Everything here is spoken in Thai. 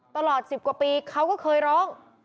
ตลอด๑๐กว่าปีเขาก็เคยร้อง